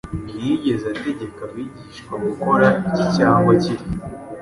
Ntiyigeze ategeka abigishwa gukora iki cyangwa kiriya,